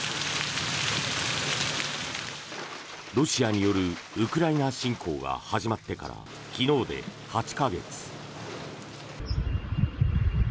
ロシアによるウクライナ侵攻が始まってから昨日で８か月。